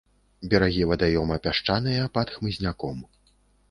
Берагі вадаёма пясчаныя, пад хмызняком.